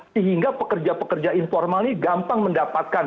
sehingga pekerja pekerja informal ini gampang mendapatkan